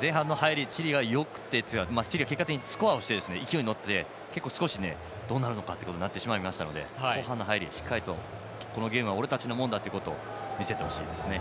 前半の入りチリがよくて、結果的にチリがスコアをして勢いに乗ってどうなるのかということになってしまいましたので後半の入り、このゲームは俺たちのものだというのをしっかり見せてほしいですね。